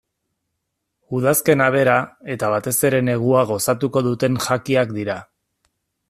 Udazkena bera eta batez ere negua gozatuko duten jakiak dira.